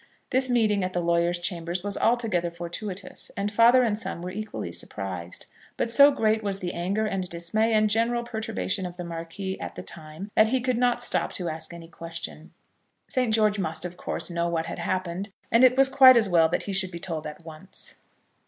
This meeting at the lawyer's chambers was altogether fortuitous, and father and son were equally surprised. But so great was the anger and dismay and general perturbation of the Marquis at the time, that he could not stop to ask any question. St. George must, of course, know what had happened, and it was quite as well that he should be told at once.